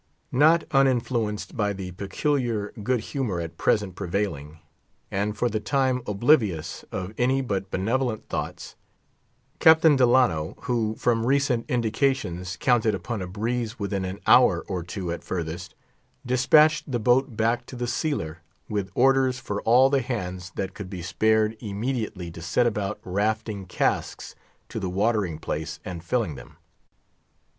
Not uninfluenced by the peculiar good humor at present prevailing, and for the time oblivious of any but benevolent thoughts, Captain Delano, who, from recent indications, counted upon a breeze within an hour or two at furthest, dispatched the boat back to the sealer, with orders for all the hands that could be spared immediately to set about rafting casks to the watering place and filling them.